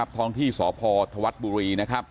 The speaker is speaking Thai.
ท้องที่สหพทวัตบุรี